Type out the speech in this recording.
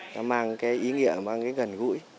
nó mang cái ý nghĩa mang cái gần gũi